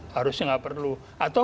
harusnya gak perlu atau